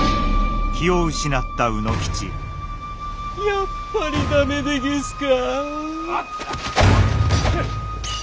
やっぱり駄目でげすか。